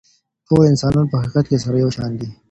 ټول انسانان په حقیقت کي سره یو شان دي.